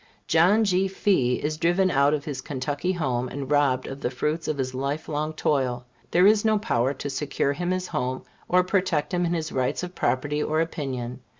John G. Fee is driven out of his Kentucky home, and robbed of the fruits of his life long toil. There is no power to secure him his home, or protect him in his rights of property or opinion.